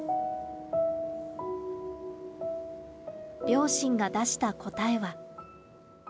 両親が出した答えは。